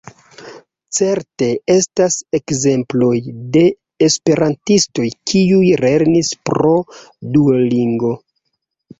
Certe estas ekzemploj de esperantistoj kiuj lernis pro Duolingo.